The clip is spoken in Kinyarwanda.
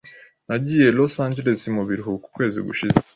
Nagiye i Los Angeles mu biruhuko ukwezi gushize.